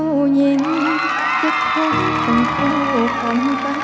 สวัสดีครับ